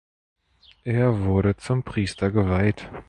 Er wurde zum Priester geweiht.